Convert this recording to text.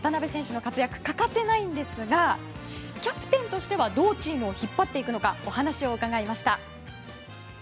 日本の躍進には渡邊選手の活躍が欠かせないんですがキャプテンとしてどうチームを引っ張っていくかお話を伺いました。